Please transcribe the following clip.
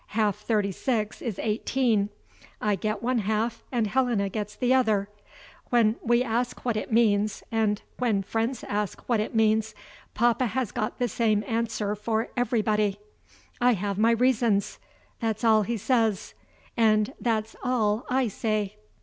Half thirty six is eighteen. I get one half, and Helena gets the other. When we ask what it means, and when friends ask what it means, papa has got the same answer for everybody, 'I have my reasons.' That's all he says and that's all I say."